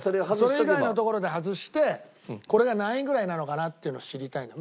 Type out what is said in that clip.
それ以外のところで外してこれが何位ぐらいなのかなっていうのを知りたいのよ。